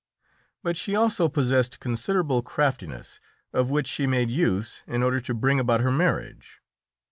But she also possessed considerable craftiness, of which she made use in order to bring about her marriage.